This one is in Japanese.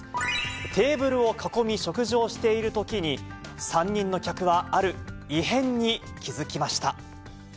テーブルを囲み、食事をしているときに、３人の客はある異変に気付きました。